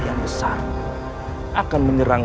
yang besar akan menyerang